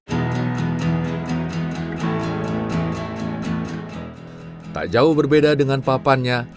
tidak jauh berbeda dengan papan nya